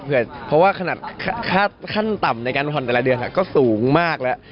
เพราะว่าขนาดขั้นต่ำในการผ่อนแต่ละเดือนก็สูงมากแล้ว